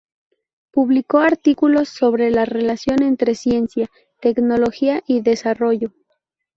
Publicó artículos sobre la relación entre ciencia, tecnología y desarrollo.